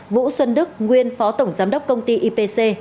vũ xuân đức nguyên phó tổng giám đốc công ty ipc